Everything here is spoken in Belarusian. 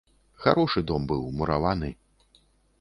Харошы дом быў, мураваны.